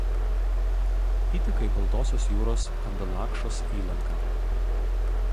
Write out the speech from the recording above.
Įteka į Baltosios jūros Kandalakšos įlanką.